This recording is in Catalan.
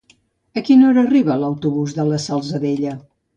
A quina hora arriba l'autobús de la Salzadella?